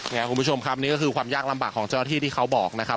คุณผู้ชมครับนี่ก็คือความยากลำบากของเจ้าหน้าที่ที่เขาบอกนะครับ